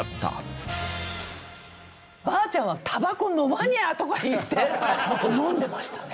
おばあちゃんは「タバコのまにゃ」とか言ってタバコのんでましたね。